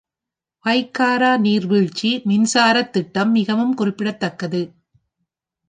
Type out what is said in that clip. பைக்காரா நீர் வீழ்ச்சி மின்சாரத் திட்டம் மிகவும் குறிப்பிடத்தக்கது.